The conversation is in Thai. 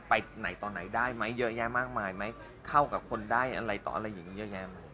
ไปไหนต่อไหนได้ไหมเยอะแยะมากมายไหมเข้ากับคนได้อะไรต่ออะไรอย่างนี้เยอะแยะไหม